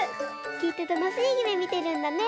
きっとたのしいゆめみてるんだね。